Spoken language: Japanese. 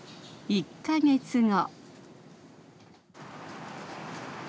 １カ月後。